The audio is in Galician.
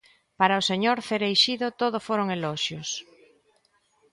Para o señor Cereixido todo foron eloxios.